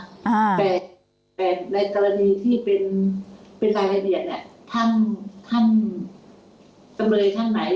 แต่ในกรณีที่เป็นรายละเอียดเนี่ยท่านสมัยท่านไหมอยากอ่านให้รายละเอียด